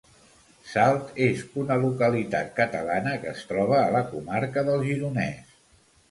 Salt és una localitat catalana que es troba a la comarca del Gironès.